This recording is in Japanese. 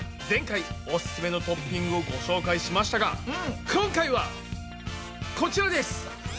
前回オススメのトッピングをご紹介しましたが今回はこちらです！